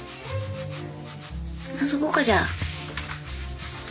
遊ぼっかじゃあ。